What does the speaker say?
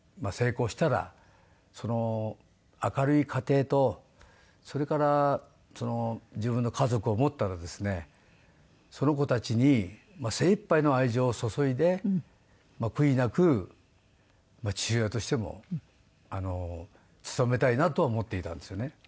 成功したら明るい家庭とそれから自分の家族を持ったらですねその子たちに精一杯の愛情を注いで悔いなく父親としても務めたいなとは思っていたんですよね。